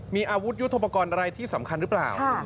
มีอาวุธยุทธโปรกรณ์อะไรที่สำคัญหรือเปล่า